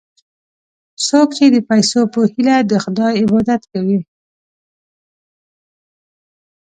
څوک چې د پیسو په هیله د خدای عبادت کوي.